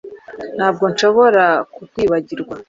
Ntabwo nshobora kukwibagirwa